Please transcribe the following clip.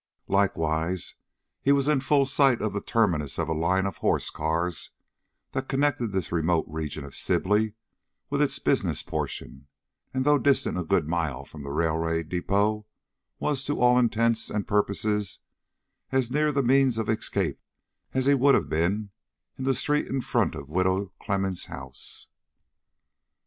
Likewise, he was in full sight of the terminus of a line of horse cars that connected this remote region of Sibley with its business portion, and though distant a good mile from the railway depot, was, to all intents and purposes, as near that means of escape as he would have been in the street in front of Widow Clemmens' house.